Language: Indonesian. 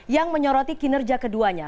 yang menyoroti kinerja keduanya